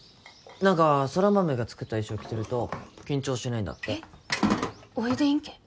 何か空豆が作った衣装着てると緊張しないんだってえっおいでいいんけ？